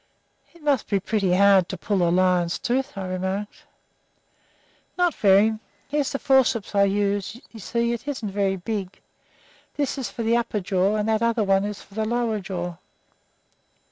"It must be pretty hard to pull a lion's tooth," I remarked. "Not very. Here's the forceps I use; you see it isn't very big. This is for the upper jaw, and that other one is for the lower jaw."